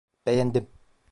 Beğendim.